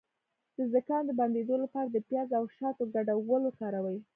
د زکام د بندیدو لپاره د پیاز او شاتو ګډول وکاروئ